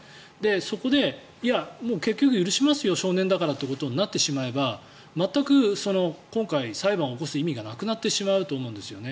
そこで、いや、結局許しますよ少年だからってことになってしまえば全く、今回裁判を起こす意味がなくなってしまうと思うんですよね。